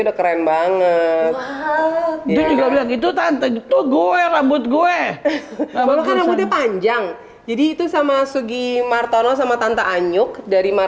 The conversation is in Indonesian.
udah keren banget itu gue rambut gue panjang jadi itu sama sugi martono sama tante anyuk dari